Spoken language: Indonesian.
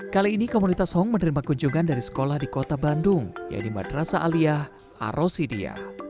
kali ini komunitas hong menerima kunjungan dari sekolah di kota bandung yaitu madrasa aliyah arosidia